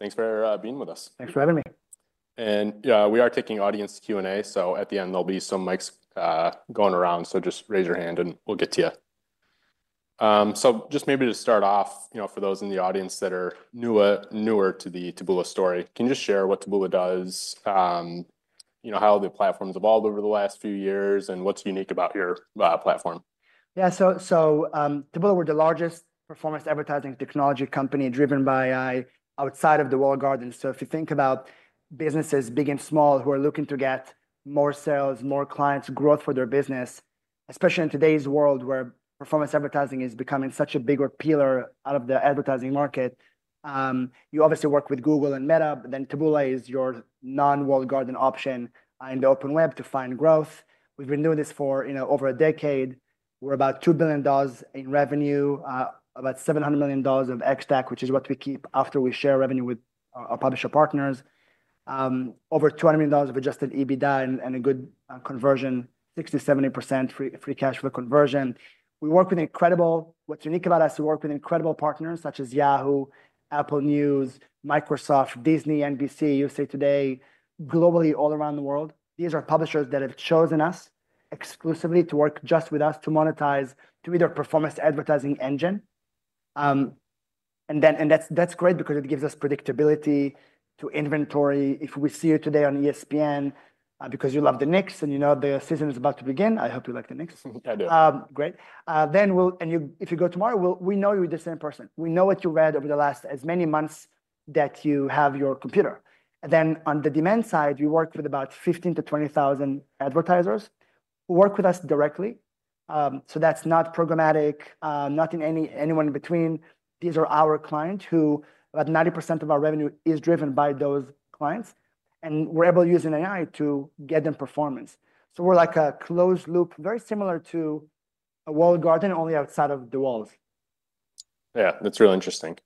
Thanks for being with us. Thanks for having me. And, yeah, we are taking audience q and a. So at the end, there'll be some mics, going around. So just raise your hand, and we'll get to you. So just maybe to start off, you know, for those in the audience that are newer newer to the Tabula story, can you just share what Tabula does, you know, how the platform's evolved over the last few years, and what's unique about your platform? Yeah. So so, Tabula, we're the largest performance advertising technology company driven by outside of the walled garden. So if you think about businesses, big and small, who are looking to get more sales, more clients, growth for their business, especially in today's world where performance advertising is becoming such a bigger pillar out of the advertising market. You obviously work with Google and Meta, but then Taboola is your non walled garden option in the open web to find growth. We've renewed this for, you know, over a decade. We're about $2,000,000,000 in revenue, about $700,000,000 of XTAC, which is what we keep after we share revenue with our publisher partners. Over $200,000,000 of adjusted EBITDA and and a good conversion, 70% free free cash flow conversion. We work with incredible what's unique about us, we work with incredible partners such as Yahoo, Apple News, Microsoft, Disney, NBC, USA Today, globally all around the world. These are publishers that have chosen us exclusively to work just with us to monetize to either performance advertising engine. And then and that's that's great because it gives us predictability to inventory. If we see you today on ESPN because you love the Knicks and you know the season is about to begin, I hope you like the Knicks. I do. Great. Then we'll and you if you go tomorrow, we'll we know you're the same person. We know what you read over the last as many months that you have your computer. And then on the demand side, you work with about 15 to 20,000 advertisers who work with us directly. So that's not programmatic, nothing any anyone in between. These are our client who about 90% of our revenue is driven by those clients, and we're able to use an AI to get them performance. So we're like a closed loop, very similar to a walled garden only outside of the walls. Yeah. That's really interesting.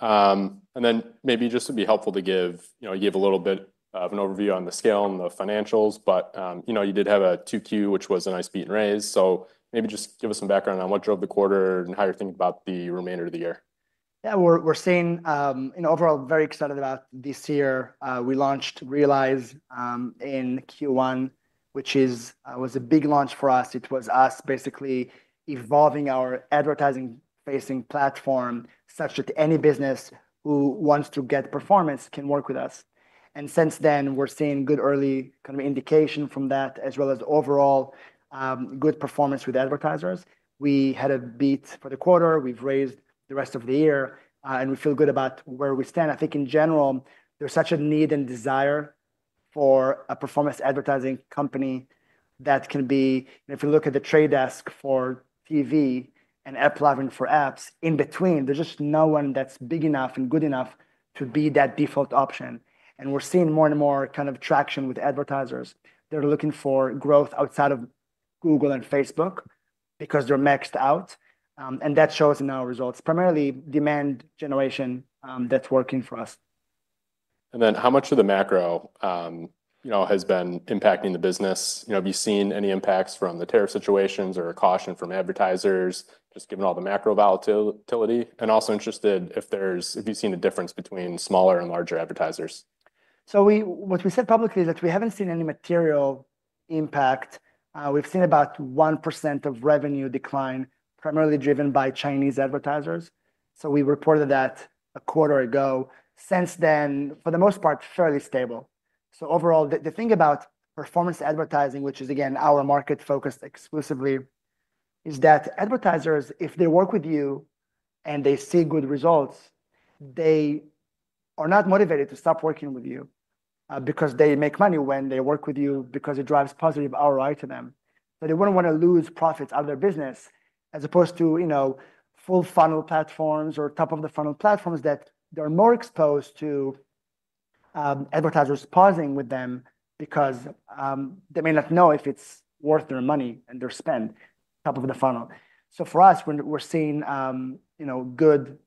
And then maybe just to be helpful to give you know, you have a little bit of an overview on the scale and the financials, but, you know, you did have a two q, which was a nice beat and raise. So maybe just give us some background on what drove the quarter and how you're thinking about the remainder of the year. Yeah. We're we're seeing, you know, overall, very excited about this year. We launched Realize, in q one, which is, was a big launch for us. It was us basically evolving our advertising facing platform such that any business who wants to get performance can work with us. And since then, we're seeing good early kind of indication from that as well as overall good performance with advertisers. We had a beat for the quarter. We've raised the rest of the year, and we feel good about where we stand. I think in general, there's such a need and desire for a performance advertising company that can be and if you look at the trade desk for TV and AppLaven for apps in between, there's just no one that's big enough and good enough to be that default option. And we're seeing more and more kind of traction with advertisers. They're looking for growth outside of Google and Facebook because they're maxed out, and that shows in our results, primarily demand generation, that's working for us. And then how much of the macro, you know, has been impacting the business? Have you seen any impacts from the tariff situations or a caution from advertisers just given all the macro volatility? And also interested if there's have you seen a difference between smaller and larger advertisers? So we what we said publicly is that we haven't seen any material impact. We've seen about 1% of revenue decline primarily driven by Chinese advertisers. So we reported that a quarter ago. Since then, for the most part, fairly stable. So overall, the the thing about performance advertising, which is, again, our market focused exclusively, is that advertisers, if they work with you and they see good results, they are not motivated to stop working with you because they make money when they work with you because it drives positive ROI to them. But they wouldn't wanna lose profits on their business as opposed to, you know, full funnel platforms or top of the funnel platforms that they're more exposed to advertisers pausing with them because they may not know if it's worth their money and their spend top of the funnel. So for us, we're we're seeing, you know, good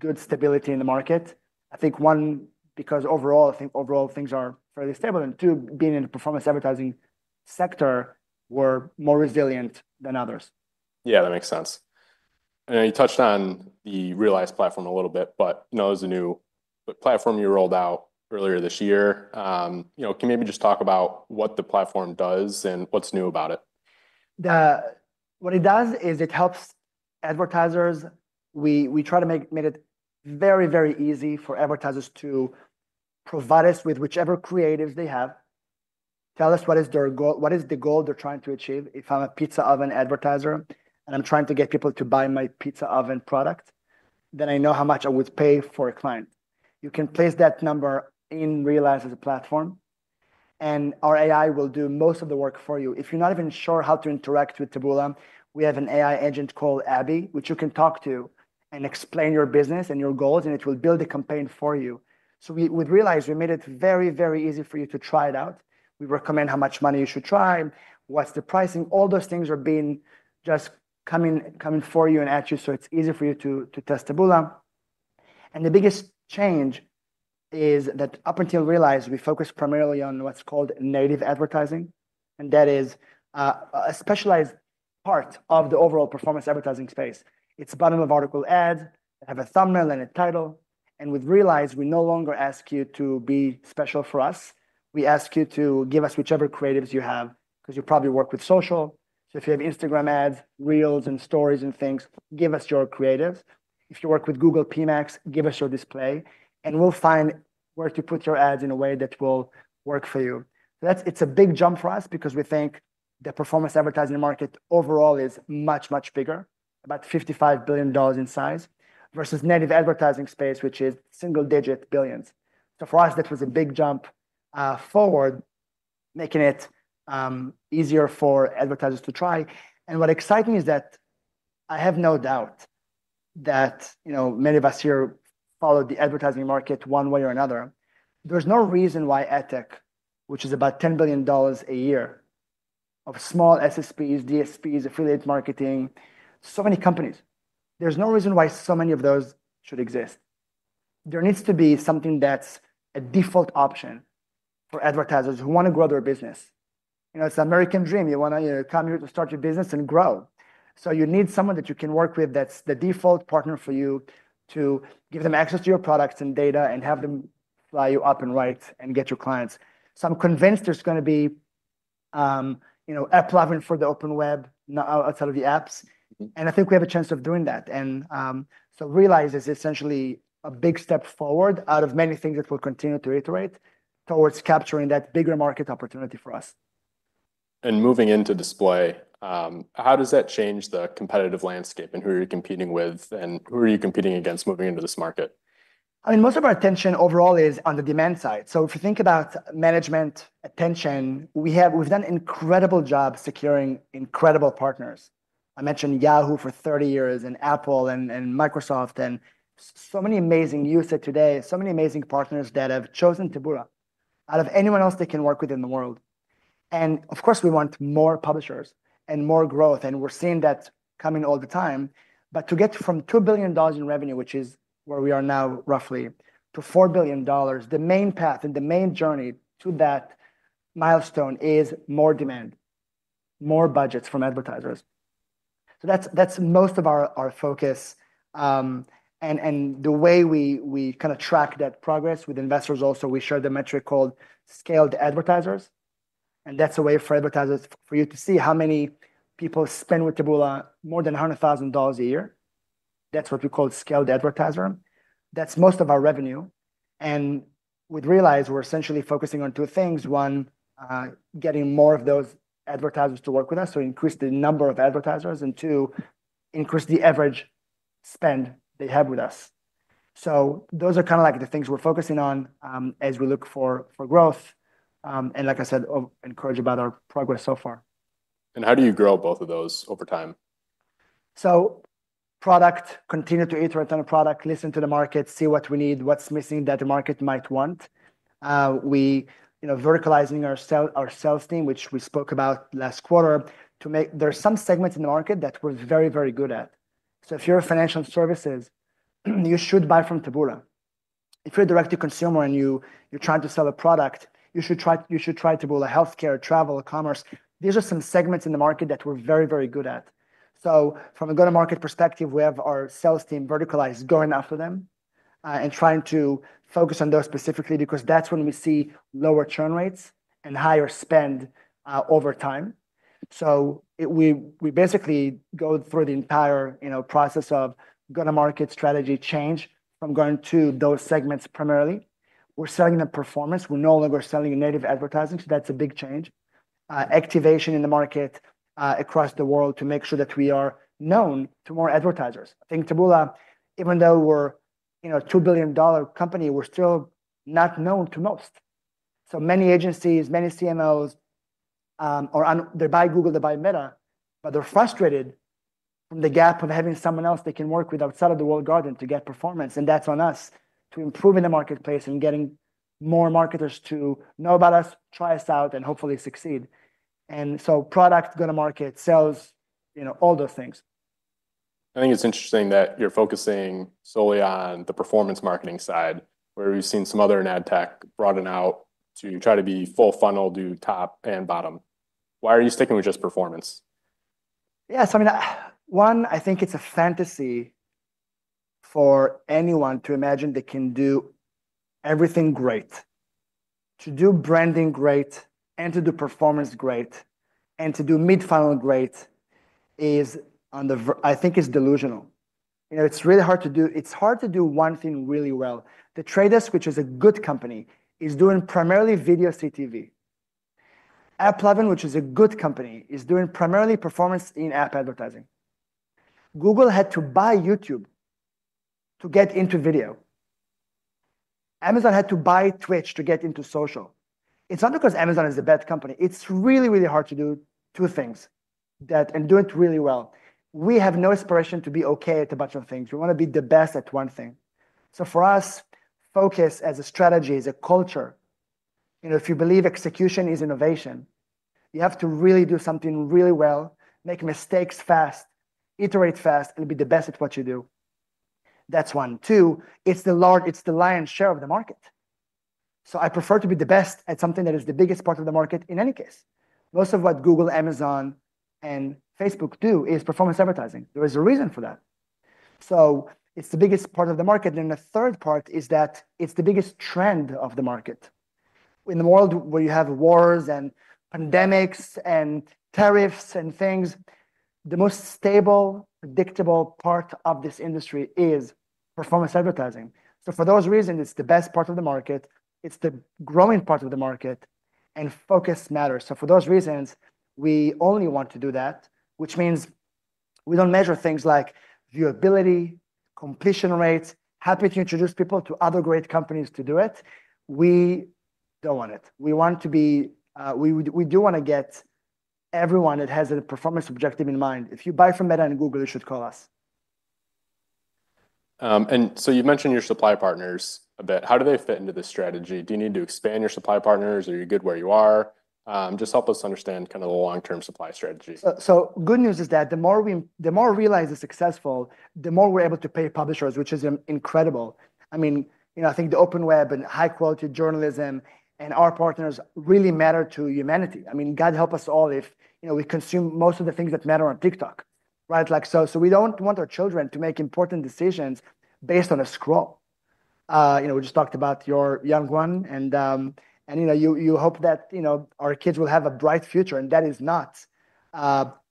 good stability in the market. I think, one, because overall, I think overall, things are fairly stable. And two, being in the performance advertising sector, we're more resilient than others. Yeah. That makes sense. And then you touched on the realized platform a little bit, but, you know, it's a new platform you rolled out earlier this year. You know, can you maybe just talk about what the platform does and what's new about it? The what it does is it helps advertisers. We we try to make made it very, very easy for advertisers to provide us with whichever creatives they have, tell us what is their go what is the goal they're trying to achieve. If I'm a pizza oven advertiser and I'm trying to get people to buy my pizza oven product, then I know how much I would pay for a client. You can place that number in Realize as a platform, and our AI will do most of the work for you. If you're not even sure how to interact with Taboola, we have an AI agent called Abby, which you can talk to and explain your business and your goals, and it will build a campaign for you. So we we realized we made it very, very easy for you to try it out. We recommend how much money you should try, what's the pricing. All those things are being just coming coming for you and at you so it's easy for you to to test Taboola. And the biggest change is that up until Realize, we focus primarily on what's called native advertising, and that is a specialized part of the overall performance advertising space. It's a bottom of article ad. They have a thumbnail and a title. And we've realized we no longer ask you to be special for us. We ask you to give us whichever creatives you have because you probably work with social. So if you have Instagram ads, reels, and stories and things, give us your creative. If you work with Google P Max, give us your display, and we'll find where to put your ads in a way that will work for you. That's it's a big jump for us because we think the performance advertising market overall is much, much bigger, about $55,000,000,000 in size versus native advertising space, which is single digit billions. So for us, that was a big jump forward, making it easier for advertisers to try. And what's exciting is that I have no doubt that, you know, many of us here followed the advertising market one way or another. There's no reason why AdTech, which is about $10,000,000,000 a year of small SSPs, DSPs, affiliate marketing, so many companies. There's no reason why so many of those should exist. There needs to be something that's a default option for advertisers who wanna grow their business. You know, it's an American dream. You wanna come here to start your business and grow. So you need someone that you can work with that's the default partner for you to give them access to your products and data and have them fly you up and right and get your clients. So I'm convinced there's gonna be, you know, app for the open web outside of the apps, and I think we have a chance of doing that. And so realize is essentially a big step forward out of many things that we'll continue to iterate towards capturing that bigger market opportunity for us. And moving into display, how does that change the competitive landscape and who are you competing with, and who are you competing against moving into this market? I mean, most of our attention overall is on the demand side. So if you think about management attention, we have we've done incredible job securing incredible partners. I mentioned Yahoo for thirty years and Apple and and Microsoft and so many amazing you said today, so many amazing partners that have chosen Tabura out of anyone else they can work with in the world. And, of course, we want more publishers and more growth, and we're seeing that coming all the time. But to get from $2,000,000,000 in revenue, which is where we are now roughly, to $4,000,000,000, the main path and the main journey to that milestone is more demand, more budgets from advertisers. So that's that's most of our our focus. And and the way we we kinda track that progress with investors also, we share the metric called scaled advertisers, and that's a way for advertisers for you to see how many people spend with Tabula more than a $100,000 a year. That's what we call scaled advertiser. That's most of our revenue. And we'd realize we're essentially focusing on two things. One, getting more of those advertisers to work with us to increase the number of advertisers, and two, increase the average spend they have with us. So those are kinda like the things we're focusing on as we look for for growth, and like I said, encouraged about our progress so far. And how do you grow both of those over time? So product, continue to iterate on a product, listen to the market, see what we need, what's missing that the market might want. We you know, verticalizing our sell our sales team, which we spoke about last quarter to make there are some segments in the market that we're very, very good at. So if you're a financial services, you should buy from Tabula. If you're a direct to consumer and you you're trying to sell a product, you should try you should try Tabula health care, travel, commerce. These are some segments in the market that we're very, very good at. So from a go to market perspective, we have our sales team verticalized going after them and trying to focus on those specifically because that's when we see lower churn rates and higher spend over time. So we we basically go through the entire, you know, process of go to market strategy change from going to those segments primarily. We're selling the performance. We're no longer selling native advertising, so that's a big change. Activation in the market across the world to make sure that we are known to more advertisers. I think, Taboola, even though we're, you know, a $2,000,000,000 company, we're still not known to most. So many agencies, many CMOs are on they buy Google. They buy Meta, but they're frustrated in the gap of having someone else they can work with outside of the walled garden to get performance, and that's on us to improve in the marketplace and getting more marketers to know about us, try us out, and hopefully succeed. And so product, gonna market, sales, you know, all those things. I think it's interesting that you're focusing solely on the performance marketing side, where we've seen some other in ad tech broaden out to try to be full funnel, do top and bottom. Why are you sticking with just performance? Yeah. So, I mean, one, I think it's a fantasy for anyone to imagine they can do everything great, To do branding great and to do performance great and to do mid funnel great is on the I think it's delusional. You know, it's really hard to do it's hard to do one thing really well. The Trade Desk, which is a good company, is doing primarily video CTV. Applovin, which is a good company, is doing primarily performance in app advertising. Google had to buy YouTube to get into video. Amazon had to buy Twitch to get into social. It's not because Amazon is a bad company. It's really, really hard to do two things that and do it really well. We have no aspiration to be okay at a bunch of things. We wanna be the best at one thing. So for us, focus as a strategy, as a culture. You know, if you believe execution is innovation, you have to really do something really well, make mistakes fast, iterate fast, and be the best at what you do. That's one. Two, it's the large it's the lion's share of the market. So I prefer to be the best at something that is the biggest part of the market in any case. Most of what Google, Amazon, and Facebook do is performance advertising. There is a reason for that. So it's the biggest part of the market. Then the third part is that it's the biggest trend of the market. In the world where you have wars and pandemics and tariffs and things, the most stable, predictable part of this industry is performance advertising. So for those reasons, it's the best part of the market. It's the growing part of the market, and focus matters. So for those reasons, we only want to do that, which means we don't measure things like viewability, completion rates, happy to introduce people to other great companies to do it. We don't want it. We want to be we would we do wanna get everyone that has a performance objective in mind. If you buy from Meta and Google, you should call us. And so you've mentioned your supply partners a bit. How do they fit into this strategy? Do you need to expand your supply partners? Are you good where you are? Just help us understand kind of the long term supply strategy. So so good news is that the more we the more Realize is successful, the more we're able to pay publishers, which is incredible. I mean, you know, I think the open web and high quality journalism and our partners really matter to humanity. I mean, god help us all if, you know, we consume most of the things that matter on TikTok. Right? Like so we don't want our children to make important decisions based on a scroll. You know, we just talked about your young one, and you know, you you hope that, you know, our kids will have a bright future, and that is not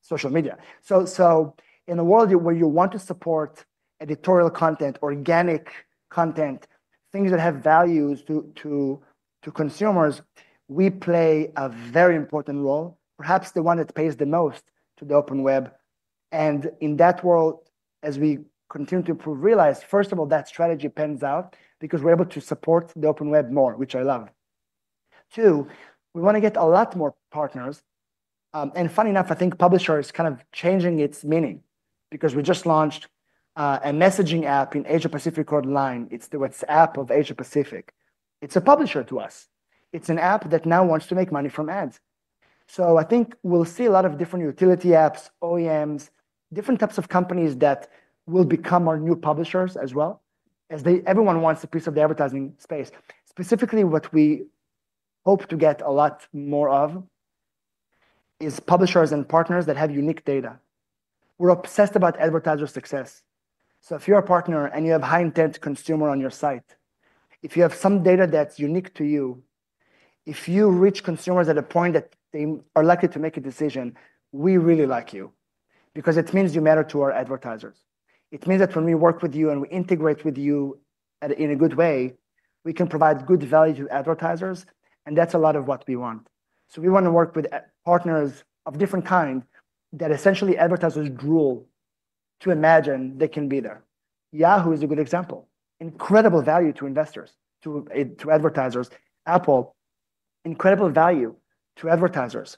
social media. So so in a world where you want to support editorial content, organic content, things that have values to to to consumers, we play a very important role, perhaps the one that pays the most to the open web. And in that world, as we continue to prove realize, first of all, that strategy pans out because we're able to support the open web more, which I love. Two, we wanna get a lot more partners. And funny enough, I think Publisher is kind of changing its meaning because we just launched a messaging app in Asia Pacific online. It's the WhatsApp of Asia Pacific. It's a publisher to us. It's an app that now wants to make money from ads. So I think we'll see a lot of different utility apps, OEMs, different types of companies that will become our new publishers as well as they everyone wants a piece of the advertising space. Specifically, we hope to get a lot more of is publishers and partners that have unique data. We're obsessed about advertiser success. So if you're a partner and you have high intent consumer on your site, if you have some data that's unique to you, if you reach consumers at a point that they are likely to make a decision, we really like you because it means you matter to our advertisers. It means that when we work with you and we integrate with you at in a good way, we can provide good value to advertisers, and that's a lot of what we want. So we wanna work with partners of different kind that essentially advertisers drool to imagine they can be there. Yahoo is a good example. Incredible value to investors to to advertisers. Apple, incredible value to advertisers.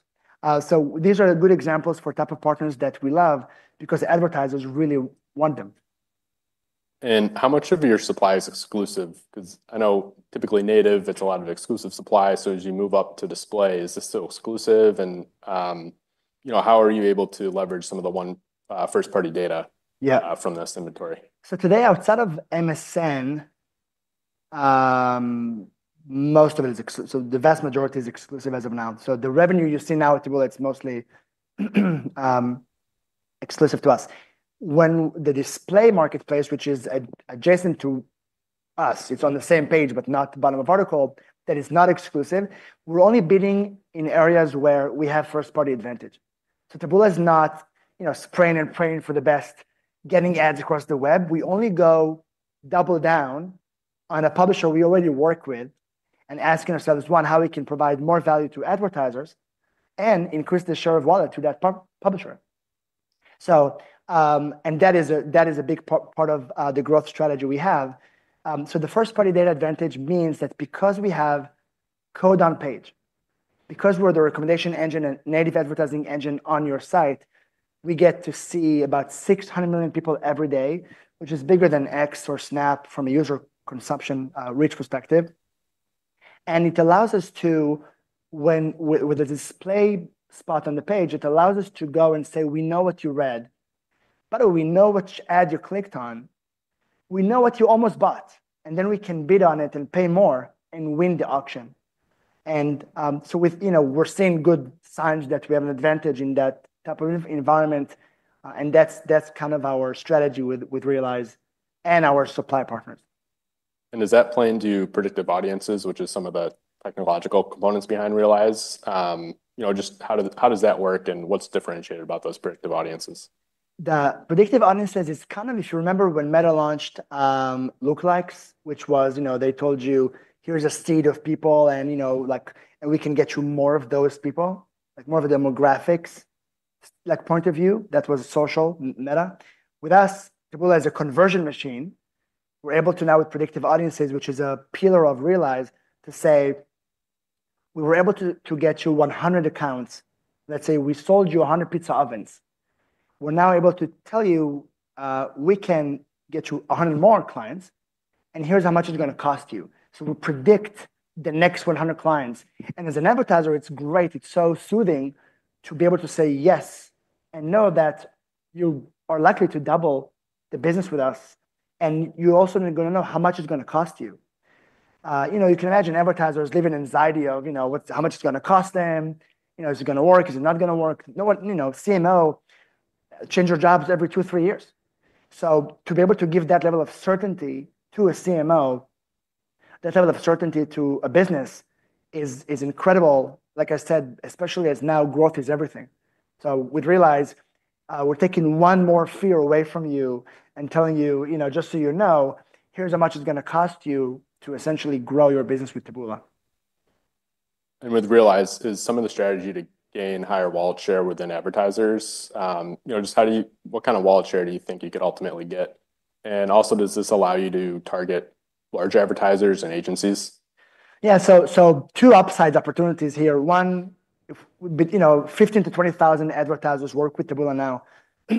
So these are good examples for type of partners that we love because advertisers really want them. And how much of your supply is exclusive? Because I know typically native, it's a lot of exclusive supply. So as you move up to display, is this still exclusive? And, you know, how are you able to leverage some of the one first party data Yeah. From this inventory? So today, outside of MSN, most of it is ex so the vast majority is exclusive as of now. So the revenue you see now, it's exclusive to us. When the display marketplace, which is adjacent to us, it's on the same page, but not the bottom of article, that is not exclusive, we're only bidding in areas where we have first party advantage. So Taboola is not, you know, spraying and praying for the best getting ads across the web. We only go double down on a publisher we already work with and asking ourselves, one, how we can provide more value to advertisers and increase the share of wallet to that pub publisher. So and that is a that is a big part of the growth strategy we have. So the first party data advantage means that because we have code on page, because we're the recommendation engine and native advertising engine on your site, we get to see about 600,000,000 people every day, which is bigger than x or Snap from a user consumption reach perspective. And it allows us to when with the display spot on the page, it allows us to go and say, we know what you read. By the way, we know which ad you clicked on. We know what you almost bought, and then we can bid on it and pay more and win the auction. And so with you know, we're seeing good signs that we have an advantage in that type of environment, and that's that's kind of our strategy with with Realize and our supply partners. And does that play into predictive audiences, which is some of the technological components behind Realize? You know, just how did how does that work, and what's differentiated about those predictive audiences? The predictive audiences is kind of if you remember when Meta launched Lookalikes, which was, you know, they told you, here's a seed of people and, you know, like and we can get you more of those people, like, of a demographics, like, point of view that was social Meta. With us, Tibulla has a conversion machine. We're able to now with predictive audiences, which is a pillar of Realize to say, we were able to to get you 100 accounts. Let's say we sold you a 100 pizza ovens. We're now able to tell you we can get you a 100 more clients, and here's how much it's gonna cost you. So we predict the next 100 clients. And as an advertiser, it's great. It's so soothing to be able to say yes and know that you are likely to double the business with us, and you also gonna know how much it's gonna cost you. You know, you can imagine advertisers living anxiety of, you know, what's how much it's gonna cost them. You know, is it gonna work? Is it not gonna work? No one you know, CMO change their jobs every two, three years. So to be able to give that level of certainty to a CMO, that level of certainty to a business is is incredible, like I said, especially as now growth is everything. So we'd realize we're taking one more fear away from you and telling you, you know, just so you know, here's how much it's gonna cost you to essentially grow your business with Taboola. And with Realize, is some of the strategy to gain higher wallet share within advertisers? You know, just how do you what kind of wallet share do you think you could ultimately get? And, also, does this allow you to target large advertisers and agencies? Yeah. So so two upside opportunities here. One, if but, you know, 15 to 20,000 advertisers work with Tabula now.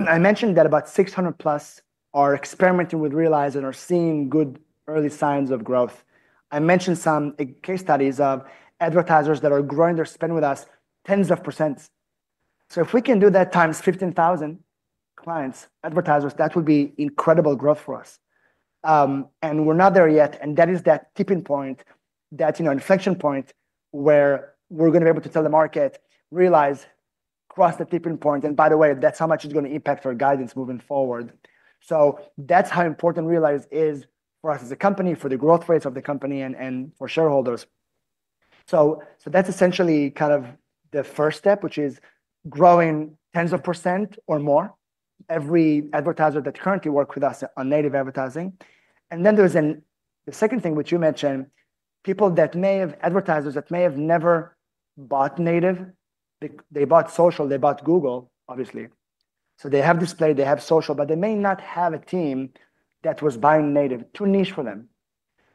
I mentioned that about 600 plus are experimenting with Realize and are seeing good early signs of growth. I mentioned some case studies of advertisers that are growing their spend with us tens of percents. So if we can do that times 15,000 clients, advertisers, that would be incredible growth for us. And we're not there yet, and that is that tipping point, that, you know, inflection point where we're gonna be able to tell the market, realize, cross the tipping point. And by the way, that's how much it's gonna impact for guidance moving forward. So that's how important realize is for us as a company, for the growth rates of the company, and and for shareholders. So so that's essentially kind of the first step, which is growing tens of percent or more every advertiser that currently work with us on native advertising. And then there's an the second thing which you mentioned, people that may have advertisers that may have never bought native, they bought social, they bought Google, obviously. So they have display, they have social, but they may not have a team that was buying native, too niche for them.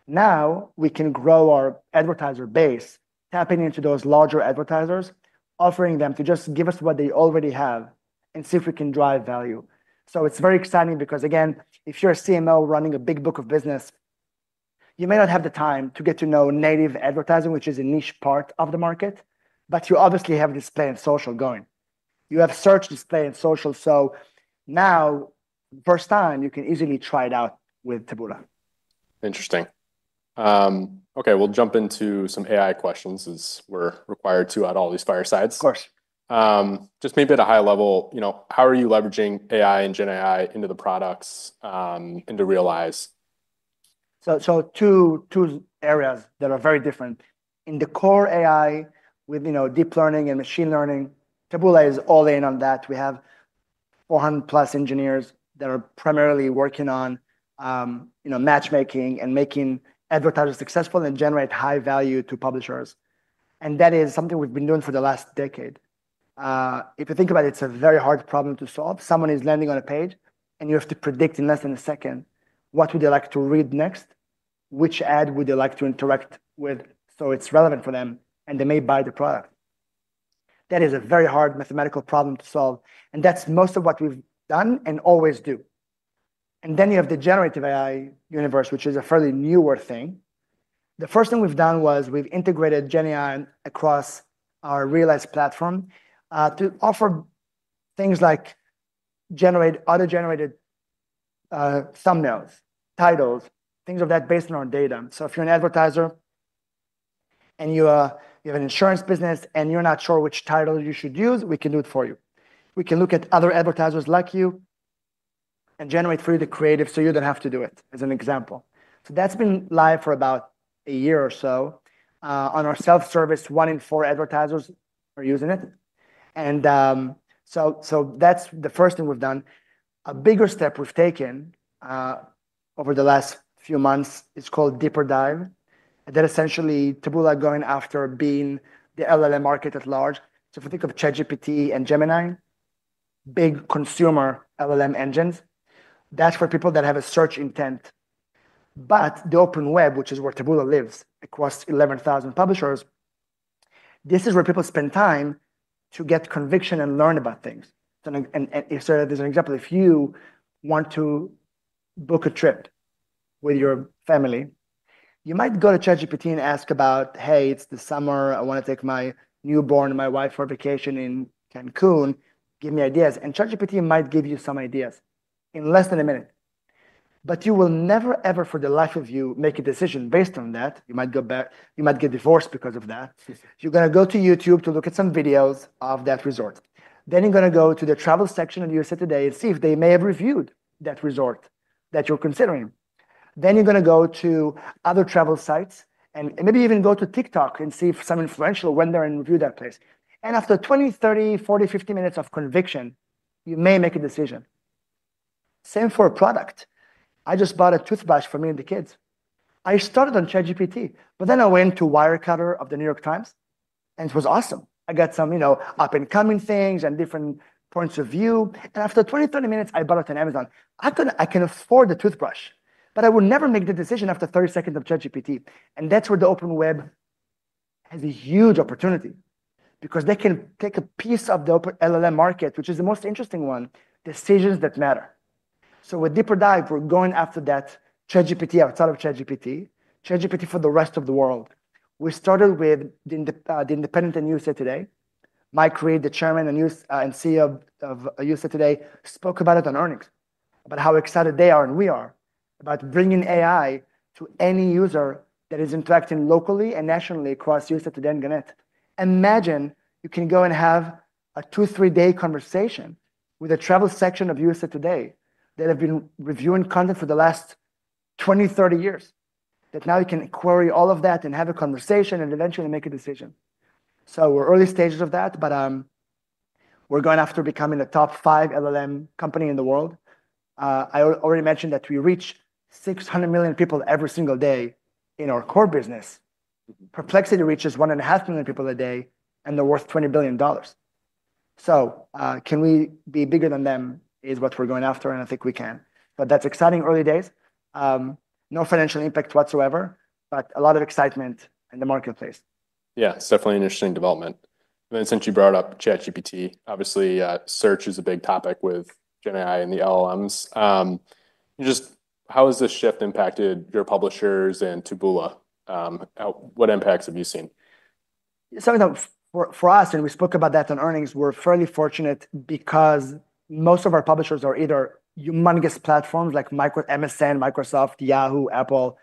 Now we can grow our advertiser base tapping into those larger advertisers, offering them to just give us what they already have and see if we can drive value. So it's very exciting because, again, if you're a CMO running a big book of business, you may not have the time to get to know native advertising, which is a niche part of the market, but you obviously have display and social going. You have search, display, and social. So now first time, you can easily try it out with Tabula. Interesting. Okay. We'll jump into some AI questions as we're required to at all these firesides. Of course. Just maybe at a high level, you know, how are you leveraging AI and Gen AI into the products into Realize? So so two two areas that are very different. In the core AI with, you know, deep learning and machine learning, Taboola is all in on that. We have 400 plus engineers that are primarily working on, you know, matchmaking and making advertisers successful and generate high value to publishers. And that is something we've been doing for the last decade. If you think about it, it's a very hard problem to solve. Someone is landing on a page, and you have to predict in less than a second what would they like to read next, which ad would they like to interact with so it's relevant for them, and they may buy the product. That is a very hard mathematical problem to solve, and that's most of what we've done and always do. And then you have the generative AI universe, which is a fairly newer thing. The first thing we've done was we've integrated GeniA across our realized platform to offer things like generate auto generated thumbnails, titles, things of that based on our data. So if you're an advertiser and you you have an insurance business and you're not sure which title you should use, we can do it for you. We can look at other advertisers like you and generate free the creative so you don't have to do it, as an example. So that's been live for about a year or so. On our self-service, one in four advertisers are using it. And so so that's the first thing we've done. A bigger step we've taken over the last few months is called deeper dive. That essentially, Taboola going after being the LLM market at large. So if we think of CHEG, PT and Gemini, big consumer LLM engines, that's for people that have a search intent. But the open web, which is where Taboola lives across 11,000 publishers, this is where people spend time to get conviction and learn about things. So and and so this is an example. If you want to book a trip with your family, you might go to Chejipati and ask about, hey. It's the summer. I wanna take my newborn, my wife for vacation in Cancun. Give me ideas. And Chejipati might give you some ideas in less than a minute, but you will never ever, for the life of you, make a decision based on that. You might go back you might get divorced because of that. You're gonna go to YouTube to look at some videos of that resort. Then you're gonna go to the travel section of USA Today and see if they may have reviewed that resort that you're considering. Then you're gonna go to other travel sites and and maybe even go to TikTok and see if some influential went there and review that place. And after twenty, thirty, forty, fifty minutes of conviction, you may make a decision. Same for a product. I just bought a toothbrush for me and the kids. I started on Cherry GPT, but then I went to Wirecutter of the New York Times, and it was awesome. I got some, you know, up and coming things and different points of view. And after twenty, thirty minutes, I bought it on Amazon. I couldn't I can afford the toothbrush, but I would never make the decision after thirty seconds of Judge EPT. And that's where the open web has a huge opportunity because they can take a piece of the open LLM market, which is the most interesting one, decisions that matter. So with deeper dive, we're going after that trade GPT, outside of trade GPT, trade GPT for the rest of the world. We started with the the independent and USA Today. Mike Reid, the chairman and use and CEO of USA Today spoke about it on earnings, about how excited they are and we are about bringing AI to any user that is interacting locally and nationally across USA Today and Gannett. Imagine you can go and have a two, three day conversation with a travel section of USA Today that have been reviewing content for the last twenty, thirty years, that now you can query all of that and have a conversation and eventually make a decision. So we're early stages of that, but we're going after becoming the top five LLM company in the world. I already mentioned that we reach 600,000,000 people every single day in our core business. Perplexity reaches one and a half million people a day, and they're worth $20,000,000,000. So can we be bigger than them is what we're going after, and I think we can. But that's exciting early days. No financial impact whatsoever, but a lot of excitement in the marketplace. Yeah. It's definitely an interesting development. And then since you brought up ChatGPT, obviously, search is a big topic with GenAI and the LMs. Just how has this shift impacted your publishers and Tubula? What impacts have you seen? So for for us, and we spoke about that in earnings, we're fairly fortunate because most of our publishers are either humongous platforms like micro MSN, Microsoft, Yahoo, Apple,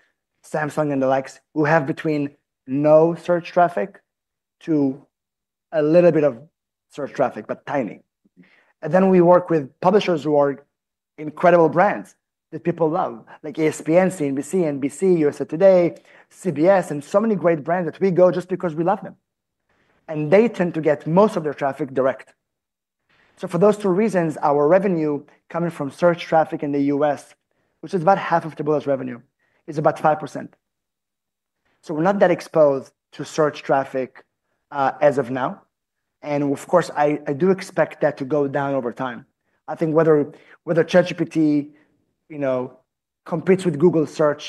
Samsung, and the likes who have between no search traffic to a little bit of search traffic but tiny. And then we work with publishers who are incredible brands that people love, like ESPN, CNBC, NBC, USA Today, CBS, and so many great brands that we go just because we love them. And they tend to get most of their traffic direct. So for those two reasons, our revenue coming from search traffic in The US, which is about half of Tableau's revenue, is about 5%. So we're not that exposed to search traffic as of now. And, of course, I I do expect that to go down over time. I think whether whether Chachi Petit, you know, competes with Google search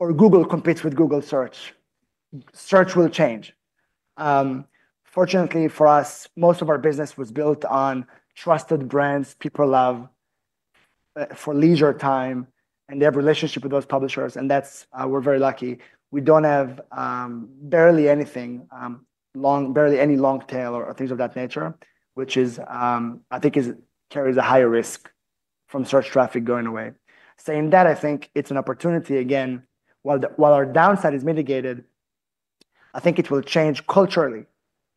or Google competes with Google search, search will change. Fortunately, for us, most of our business was built on trusted brands people love for leisure time, and they have relationship with those publishers, and that's we're very lucky. We don't have barely anything long barely any long tail or or things of that nature, which is I think is carries a higher risk from search traffic going away. Saying that, I think it's an opportunity again. While the while our downside is mitigated, I think it will change culturally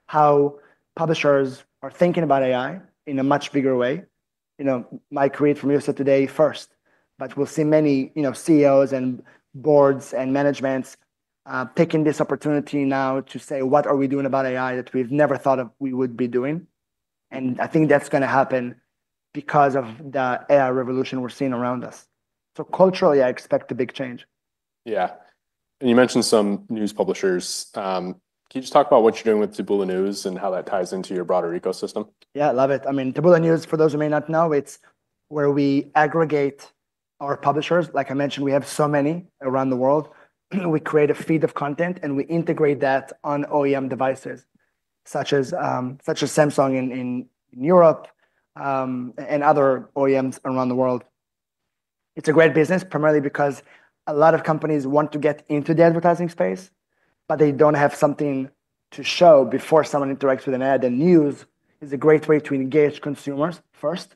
how publishers are thinking about AI in a much bigger way. You know, my create from USA TODAY first, but we'll see many, you know, CEOs and boards and managements taking this opportunity now to say, what are we doing about AI that we've never thought of we would be doing? And I think that's gonna happen because of the AI revolution we're seeing around us. So culturally, I expect a big change. Yeah. And you mentioned some news publishers. Can you just talk about what you're doing with Tbula News and how that ties into your broader ecosystem? Yeah. Love it. I mean, Tbula News, for those who may not know, it's where we aggregate our publishers. Like I mentioned, we have so many around the world. We create a feed of content, and we integrate that on OEM devices such as such as Samsung in in Europe and other OEMs around the world. It's a great business primarily because a lot of companies want to get into the advertising space, but they don't have something to show before someone interacts with an ad. The news is a great way to engage consumers first,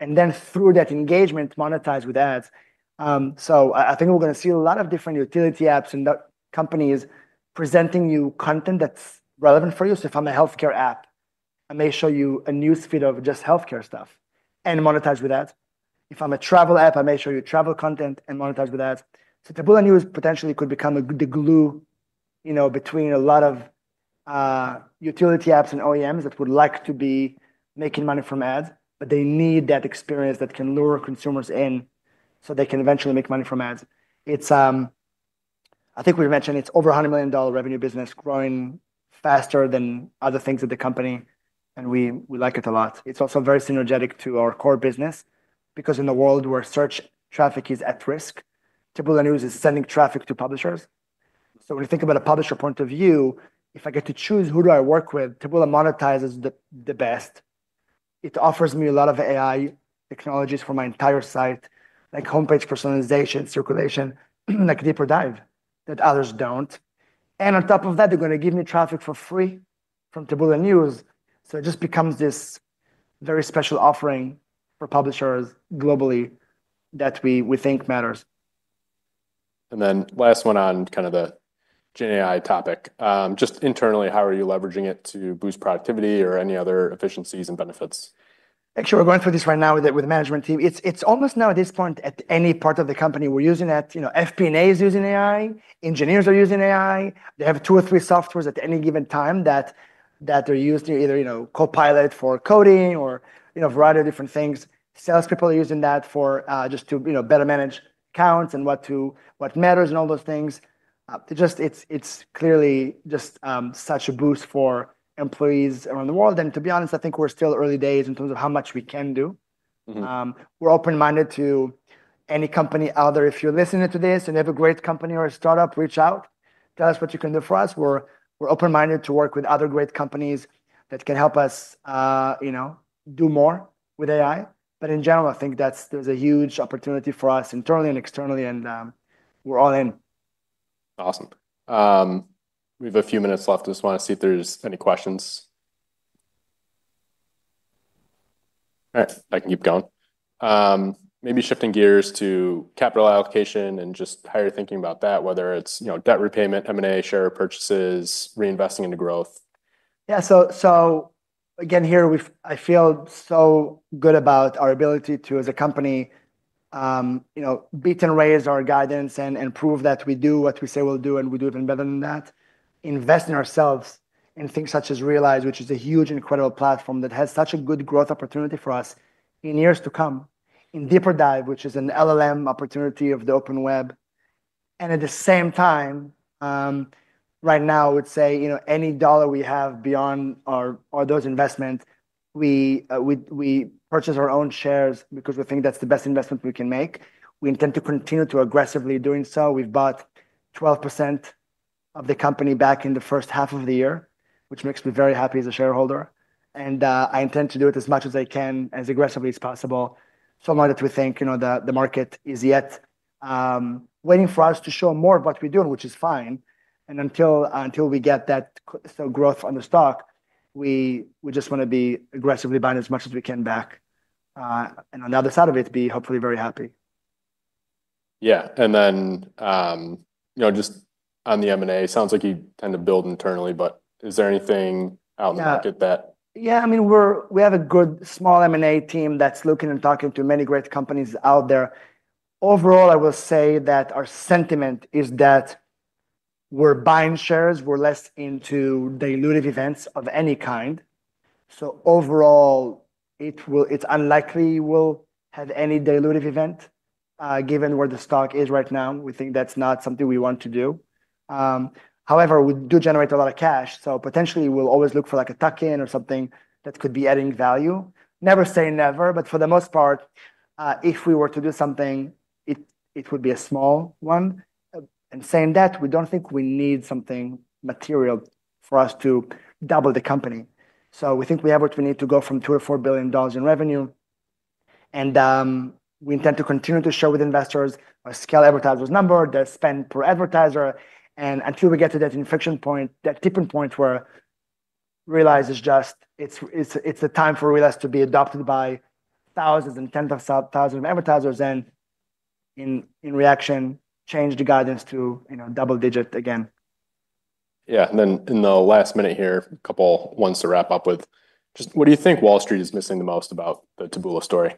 and then through that engagement, monetize with ads. So I I think we're gonna see a lot of different utility apps and companies presenting you content that's relevant for you. So if I'm a health care app, I may show you a newsfeed of just health care stuff and monetize with ads. If I'm a travel app, I may show you travel content and monetize with that. So Tabula News potentially could become a the glue, you know, between a lot of utility apps and OEMs that would like to be making money from ads, but they need that experience that can lure consumers in so they can eventually make money from ads. It's I think we mentioned it's over $100,000,000 revenue business growing faster than other things at the company, and we we like it a lot. It's also very synergetic to our core business because in a world where search traffic is at risk, Tibula News is sending traffic to publishers. So when you think about a publisher point of view, if I get to choose who do I work with, Tibula monetize is the the best. It offers me a lot of AI technologies for my entire site, like homepage personalization, circulation, like a deeper dive that others don't. And on top of that, they're gonna give me traffic for free from Tabula News. So it just becomes this very special offering for publishers globally that we we think matters. And then last one on kind of the GNI topic. Just internally, how are you leveraging it to boost productivity or any other efficiencies and benefits? Actually, we're going through this right now with the with the management team. It's it's almost now at this point at any part of the company we're using at. You know, FP and A is using AI. Engineers are using AI. They have two or three softwares at any given time that that they're used to either, you know, Copilot for coding or, you know, a variety of different things. Salespeople are using that for just to, you know, better manage accounts and what to what matters and all those things. It just it's it's clearly just such a boost for employees around the world. And to be honest, I think we're still early days in terms of how much we can do. Mhmm. We're open minded to any company other. If you're listening to this and have a great company or a start up, reach out. Tell us what you can do for us. We're we're open minded to work with other great companies that can help us, you know, do more with AI. But in general, I think that's there's a huge opportunity for us internally and externally, and we're all in. Awesome. We have a few minutes left. Just want to see if there's any questions. All right. I can keep going. Maybe shifting gears to capital allocation and just how you're thinking about that, whether it's, you know, debt repayment, m and a, share repurchases, reinvesting into growth. Yeah. So so, again, here, we've I feel so good about our ability to, as a company, you know, beat and raise our guidance and and prove that we do what we say we'll do, and we do it even better than that, invest in ourselves in things such as Realize, which is a huge, incredible platform that has such a good growth opportunity for us in years to come, in deeper dive, which is an LLM opportunity of the open web. And at the same time, now, I would say, you know, any dollar we have beyond our all those investment, we we we purchase our own shares we think that's the best investment we can make. We intend to continue to aggressively doing so. We've bought 12% of the company back in the first half of the year, which makes me very happy as a shareholder. And I intend to do it as much as I can as aggressively as possible, Somewhat that we think, you know, the the market is yet waiting for us to show more of what we're doing, which is fine. And until until we get that growth on the stock, we we just wanna be aggressively buying as much as we can back. And on the other side of it, be hopefully very happy. Yeah. And then, you know, just on the m and a, sounds like you tend to build internally, but is there anything out in the market that? Yeah. I mean, we're we have a good small m and a team that's looking and talking to many great companies out there. Overall, I will say that our sentiment is that we're buying shares. We're less into dilutive events of any kind. So overall, it will it's unlikely we'll have any dilutive event given where the stock is right now. We think that's not something we want to do. However, we do generate a lot of cash, so, potentially, we'll always look for, like, a tuck in or something that could be adding value. Never say never, but for the most part, if we were to do something, it it would be a small one. And saying that, we don't think we need something material for us to double the company. So we think we have what we need to go from two or four billion dollars in revenue, and we intend to continue to show with investors our scale advertisers' number, their spend per advertiser. And until we get to that inflection point, that tipping point where Realize is just it's it's it's a time for Realize to be adopted by thousands and tens of thousands of advertisers and in in reaction, change the guidance to, you know, double digit again. Yeah. And then in the last minute here, a couple ones to wrap up with. Just what do you think Wall Street is missing the most about the Tabula story?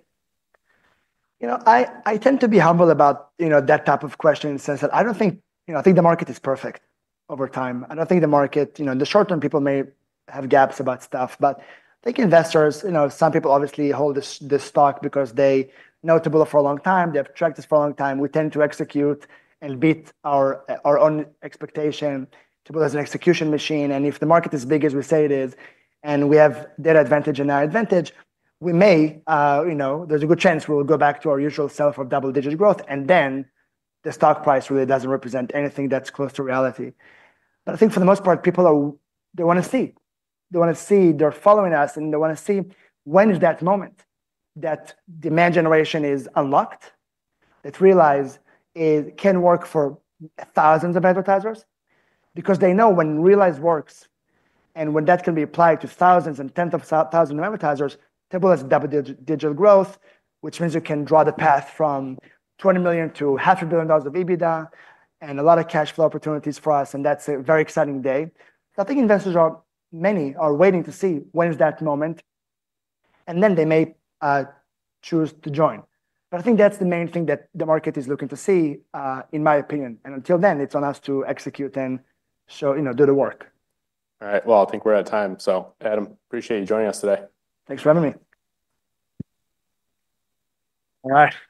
You know, I I tend to be humble about, you know, that type of question since that I don't think you know, I think the market is perfect over time. I don't think the market you know, in the short term, people may have gaps about stuff. But I think investors, you know, some people obviously hold this this stock because they're notable for a long time. They have tracked this for a long time. We tend to execute and beat our our own expectation to build as an execution machine. And if the market is big as we say it is and we have that advantage and our advantage, we may you know, there's a good chance we will go back to our usual self of double digit growth, and then the stock price really doesn't represent anything that's close to reality. But I think for the most part, people are they wanna see. They wanna see they're following us, and they wanna see when is that moment that demand generation is unlocked, that Realize can work for thousands of advertisers? Because they know when Realize works and when that can be applied to thousands and tens of thousands of advertisers, Tableau has double digit digital growth, which means you can draw the path from 20,000,000 to half a billion dollars of EBITDA and a lot of cash flow opportunities for us, and that's a very exciting day. So I think investors are many are waiting to see when is that moment, and then they may choose to join. But I think that's the main thing that the market is looking to see in my opinion. And until then, it's on us to execute and show you know, do the work. Alright. Well, I think we're out of time. So, Adam, appreciate you joining us today. Thanks for having me. Alright. Nice.